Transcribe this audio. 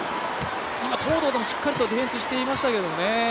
今、東藤、しっかりディフェンスしてましたけどね。